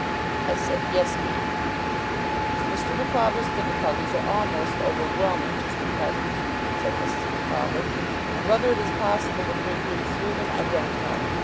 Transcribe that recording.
I said: 'Yes, ma'am.' 'Mr. Micawber's difficulties are almost overwhelming just at present,' said Mrs. Micawber; 'and whether it is possible to bring him through them, I don't know.